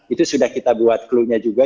itu sudah kita buat clue nya juga